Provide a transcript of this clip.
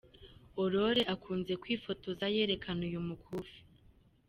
Aurore akunze kwifotoza yerekana uyu mukufi.